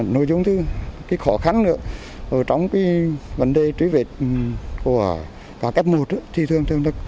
nội dung thứ cái khó khăn nữa ở trong cái vấn đề truy vết của cá cấp một thì thường thường là